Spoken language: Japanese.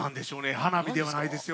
花火ではないですよ。